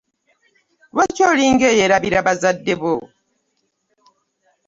Lwaki olinga eyerabira bazadde bo?